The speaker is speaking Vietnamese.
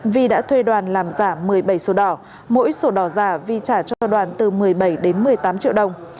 vi đã thuê đoàn làm giả một mươi bảy sổ đỏ mỗi sổ đỏ giả vi trả cho đoàn từ một mươi bảy đến một mươi tám triệu đồng